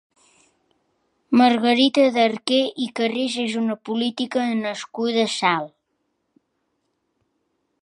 Margarita de Arquer i Carreras és una política nascuda a Salt.